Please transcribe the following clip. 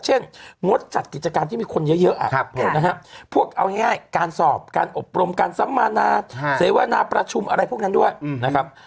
งดจัดกิจกรรมที่มีคนเยอะนะครับพวกเอาง่ายการสอบการอบรมการสัมมานาเสวนาประชุมอะไรพวกนั้นด้วยนะครับ